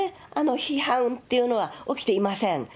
批判っていうのは起きていません。